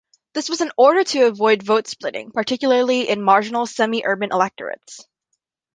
This was in order to avoid vote splitting, particularly in marginal semi-urban electorates.